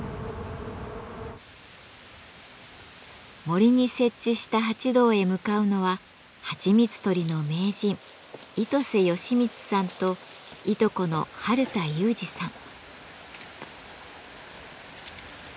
森に設置した蜂洞へ向かうのははちみつ採りの名人糸瀬良光さんといとこの春田裕治さん。